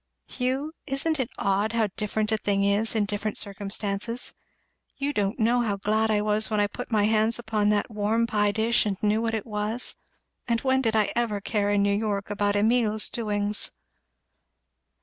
Hugh, isn't it odd how different a thing is in different circumstances? You don't know how glad I was when I put my hands upon that warm pie dish and knew what it was; and when did I ever care in New York about Emile's doings?"